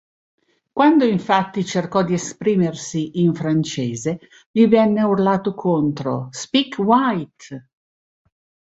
Quando infatti cercò di esprimersi in francese, gli venne urlato contro, "Speak White!